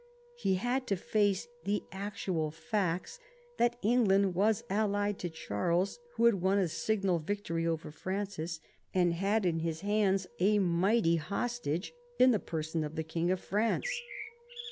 He had to face the actual facts that England was allied to Charles, who had won a signal victory over Francis, and had in his hands a mighty hostage in the person of the King of France.